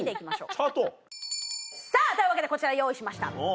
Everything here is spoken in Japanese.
さぁというわけでこちら用意しました。